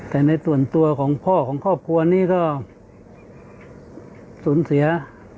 แต่ในส่วนตัวของพ่อของครอบครัวนี้ก็สูญเสีย